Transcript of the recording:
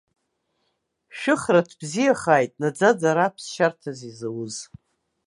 Шәыхраҭ бзиахааит, наӡаӡа ара ԥсшьарҭас изауз!